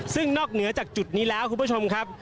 ซึ่งนอกเหนือจากจุดนี้แล้วคุณผู้ชมครับ